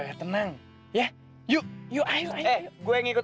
hei apa sekolah bagaimana sekolah